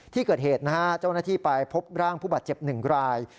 ที่เกิดเหตุนะฮะเจ้าหน้าที่ไปพบร่างผู้บาดเจ็บ๑ราย